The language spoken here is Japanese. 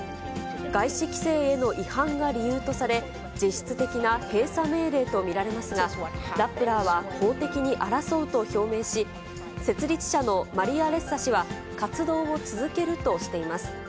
外資規制への違反が理由とされ、実質的な閉鎖命令と見られますが、ラップラーは法的に争うと表明し、設立者のマリア・レッサ氏は、活動を続けるとしています。